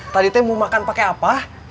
tadi teh mau makan pakai apa